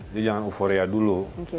jadi jangan euforia dulu